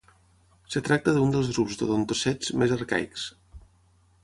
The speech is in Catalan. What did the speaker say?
Es tracta d'un dels grups d'odontocets més arcaics.